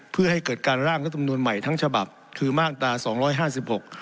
เพื่อให้เกิดการร่างรัฐมนุนใหม่ทั้งฉบับคือมาตราสองร้อยห้าสิบหก